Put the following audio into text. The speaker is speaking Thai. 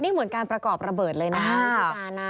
นี่เหมือนการประกอบระเบิดเลยนะคะวิธีการนะ